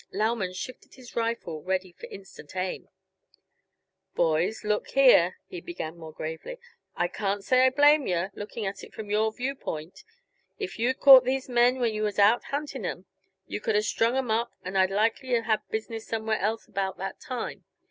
Lauman shifted his rifle ready for instant aim. "Boys, look here," he began more gravely, "I can't say I blame yuh, looking at it from your view point. If you'd caught these men when yuh was out hunting 'em, you could uh strung 'em up and I'd likely uh had business somewhere else about that time.